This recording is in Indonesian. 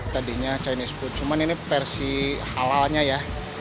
tadinya chinese food cuman ini versi halalnya ya